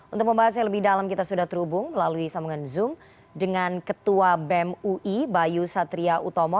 untuk membahasnya lebih dalam kita sudah terhubung melalui sambungan zoom dengan ketua bem ui bayu satria utomo